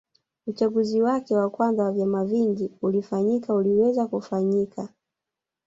Uchaguzi wake wa kwanza wa vyama vingi ulifanyika uliweza kufanyika